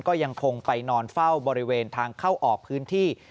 ก็ยังคงไปนอนเฝ้าบริเวณทางเข้าออกพื้นที่